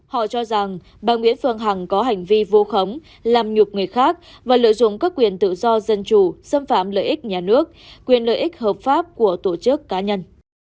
họ cho rằng bà nguyễn phương hằng có hành vi vô khống làm nhục người khác và lợi dụng các quyền tự do dân chủ xâm phạm lợi ích nhà nước quyền lợi ích hợp pháp của tổ chức cá nhân